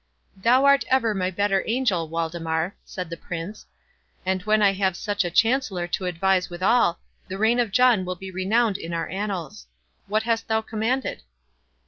"Thou art ever my better angel, Waldemar," said the Prince; "and when I have such a chancellor to advise withal, the reign of John will be renowned in our annals.—What hast thou commanded?"